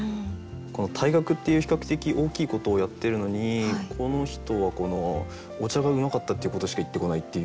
この退学っていう比較的大きいことをやってるのにこの人は「お茶がうまかった」っていうことしか言ってこないという。